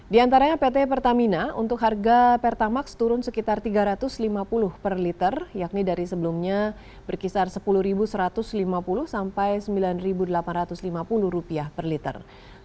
di antaranya pt pertamina untuk harga pertamax turun sekitar rp tiga ratus lima puluh per liter yakni dari sebelumnya berkisar rp sepuluh satu ratus lima puluh sampai rp sembilan delapan ratus lima puluh per liter